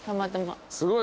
すごい。